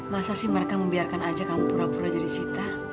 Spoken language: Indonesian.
masa sih mereka membiarkan aja kamu pura pura jadi sita